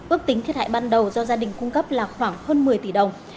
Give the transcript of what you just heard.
ước tính thiệt hại ban đầu do gia đình cung cấp là khoảng hơn một mươi tỷ đồng